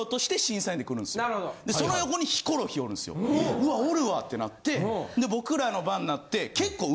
「うわおるわ」ってなってで僕らの番なって。